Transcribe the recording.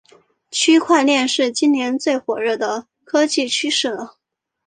区块链是今年最火热的科技趋势了